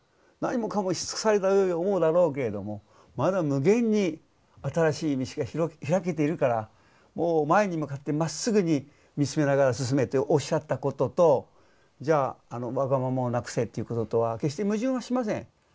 何もかもし尽くされたように思うだろうけれどもまだ無限に新しい道が開けているから前に向かってまっすぐに見つめながら進めっておっしゃったこととじゃあわがままをなくせということとは決して矛盾はしません。